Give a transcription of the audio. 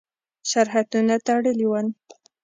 سرحدونه تړلي ول.